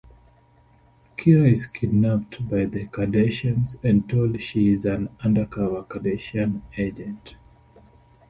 Kira is kidnapped by the Cardassians and told she is an undercover Cardassian agent.